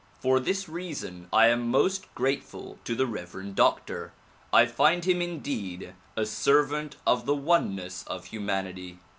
For this reason I am most grateful to the reverend doctor; I find him indeed a servant of the oneness of humanity.